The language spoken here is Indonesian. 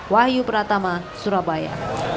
wahyu pratama surabaya